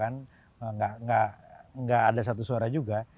tidak ada satu suara juga